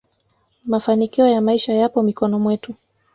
mafanikio ya maisha yapo mikono mwetu